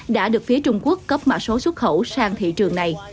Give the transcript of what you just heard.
đã được phía trung quốc cấp mã số xuất khẩu sang thị trường này